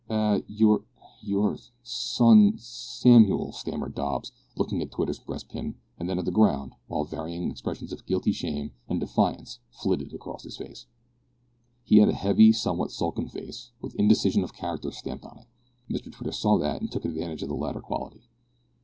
"Eh! your your son S Samuel," stammered Dobbs, looking at Twitter's breast pin, and then at the ground, while varying expressions of guilty shame and defiance flitted across his face. He had a heavy, somewhat sulky face, with indecision of character stamped on it. Mr Twitter saw that and took advantage of the latter quality.